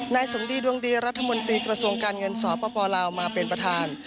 สมดีดวงดีรัฐมนตรีกระทรวงการเงินสปลาวมาเป็นประธาน